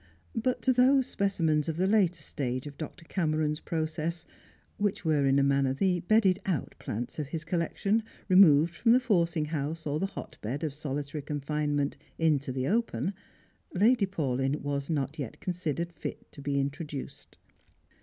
But to these specimens of the later stage of Dr. Cameron's process, which were in a manner the bedded out plants of his collection, removed from the forcing house or the hotbed of solitary confinement into the open, Lady Paulyn was not yet considered fit to be introduced.